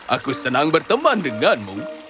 aku senang berteman denganmu